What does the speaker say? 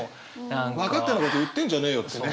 分かったようなこと言ってんじゃねえよってね。